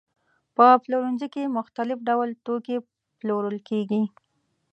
په پلورنځي کې مختلف ډول توکي پلورل کېږي.